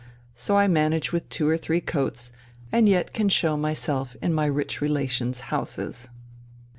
So I manage with two or three coats, and yet can show myself in my rich relations' houses."